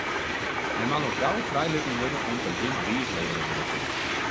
Hy moat al gau frijlitten wurde om't der gjin bewiis levere wurde kin.